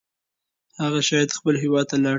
هغه شاید خپل هیواد ته لاړ شي.